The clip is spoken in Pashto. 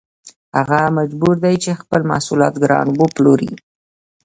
هغه مجبور دی چې خپل محصولات ګران وپلوري